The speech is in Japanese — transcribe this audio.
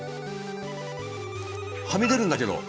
はみ出るんだけど。